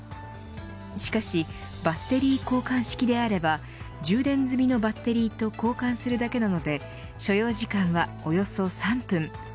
しかしバッテリー交換式であれば充電済みのバッテリーと交換するだけなので所要時間はおよそ３分。